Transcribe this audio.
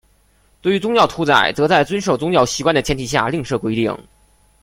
对于宗教屠宰则在遵守宗教习惯的前提下另设规定。